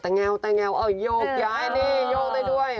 ตั้งแงวอย่าให้นี่ยกได้ด้วย